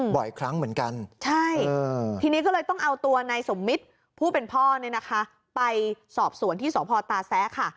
บ่อยครั้งเหมือนกันใช่ทีนี้ก็เลยต้องเอาตัวนายสมมิตรผู้เป็นพ่อเนี่ยนะคะไปสอบสวนที่สพตาแซะค่ะ